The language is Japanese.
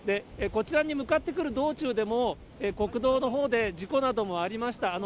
こちらに向かってくる道中でも、国道のほうで事故などもありました。